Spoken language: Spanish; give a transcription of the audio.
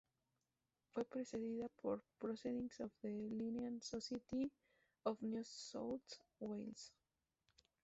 Fue precedida por "Proceedings of the Linnean Society of New South Wales".